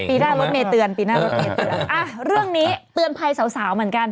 ปีหน้ารถเมย์เตือนปีหน้ารถเมย์เตือนอ่ะเรื่องนี้เตือนภัยสาวสาวเหมือนกัน